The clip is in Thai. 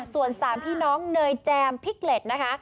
ส่วน๓พี่น้องเนยแจมพิกเล็ตนะคะ